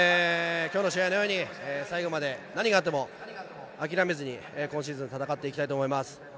最後まで何があっても諦めずに、今シーズン戦っていきたいと思います。